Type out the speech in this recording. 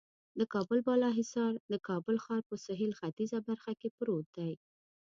د کابل بالا حصار د کابل ښار په سهیل ختیځه برخه کې پروت دی.